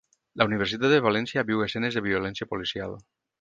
La Universitat de València viu escenes de violència policial